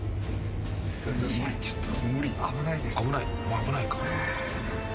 危ないか。